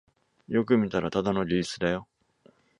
よく見たらただのリースだよ